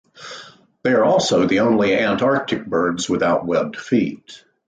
They are also the only Antarctic birds without webbed feet.